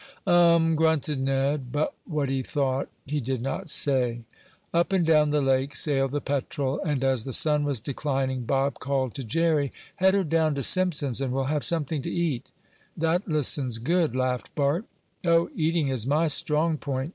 "Um!" grunted Ned, but what he thought he did not say. Up and down the lake sailed the Petrel, and as the sun was declining, Bob called to Jerry: "Head her down to Simpson's and we'll have something to eat." "That listens good," laughed Bart. "Oh, eating is my strong point!"